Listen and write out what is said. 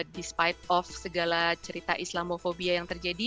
despite of segala cerita islamofobia yang terjadi